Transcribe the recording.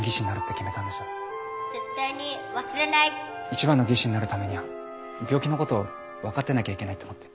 一番の技師になるためには病気のこと分かってなきゃいけないって思って。